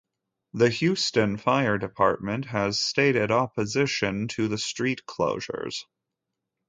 The Houston Fire Department had stated opposition to the street closures.